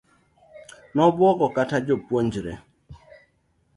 Nobuogo kata jopuonje.